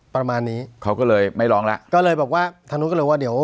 ประมาณนี้เขาก็เลยไม่ร้องแล้วก็เลยบอกว่าทางนู้นก็เลยว่าเดี๋ยว